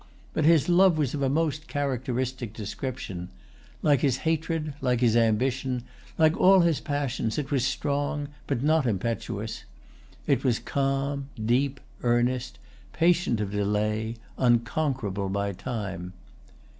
But his love was of a most characteristic description. Like his hatred, like his ambition, like all his passions, it was strong, but not impetuous. It was calm, deep, earnest, patient of delay, unconquerable by time.